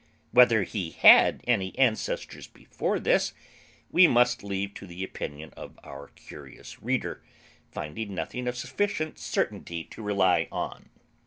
Whether he had any ancestors before this, we must leave to the opinion of our curious reader, finding nothing of sufficient certainty to rely on.